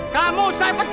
kamu saya pecat